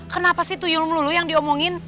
kenapa sih tuyung melulu yang diomongin